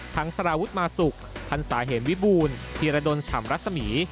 ทั้งสารวุฒิมาสุกพันษาเห็นวิบูลธีรดนชำรัศมี